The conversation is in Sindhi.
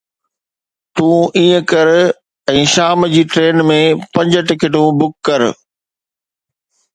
تون ائين ڪر ۽ شام جي ٽرين ۾ پنج سيٽون بک ڪر.